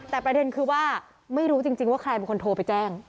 แต่ประเด็นคือว่าไม่รู้จริงว่าใครเป็นคนโทรไปแจ้ง